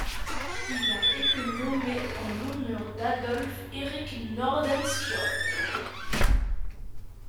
Il a été nommé en l'honneur d'Adolf Erik Nordenskiöld.